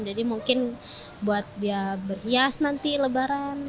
jadi mungkin buat dia berhias nanti lebaran